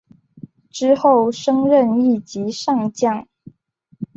之后升任一级上将。